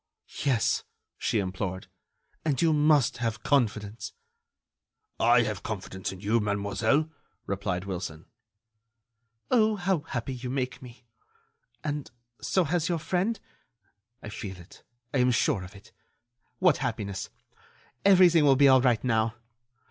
"Yes," she implored, "and you must have confidence——" "I have confidence in you, mademoiselle," replied Wilson. "Oh, how happy you make me! And so has your friend? I feel it ... I am sure of it! What happiness! Everything will be all right now!...